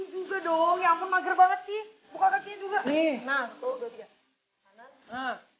juga dong ya ampun mager banget sih buka kaki juga nah